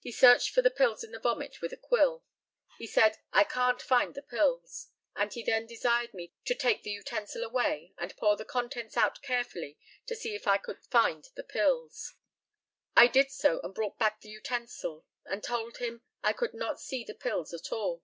He searched for the pills in the vomit with a quill. He said, "I can't find the pills," and he then desired me to take the utensil away, and pour the contents out carefully to see if I could find the pills. I did so, and brought back the utensil, and told him I could not see the pills at all.